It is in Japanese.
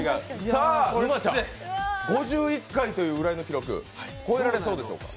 さあ、５１回という浦井の記録、超えられそうですか？